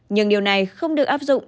nhưng điều này không được áp dụng